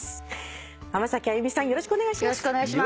よろしくお願いします。